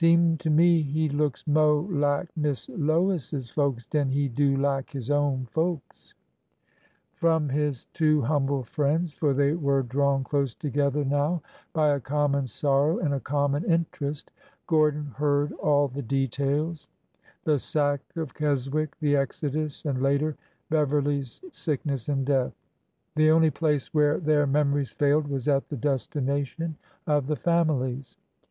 Seem to me he looks mo' lak Miss Lois's folks den he do lak his own folks !" From his two humble friends — for they were drawn close together now by a comrtTon sorrow and a common interest— Gordon heard all the details,— the sack of Kes wick, the exodus, and, later, Beverly's sickness and death. The only place where their memories failed was at the destination of the families.